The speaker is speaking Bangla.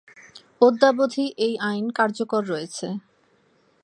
অদ্যাবধি এই আইন কার্যকর রয়েছে।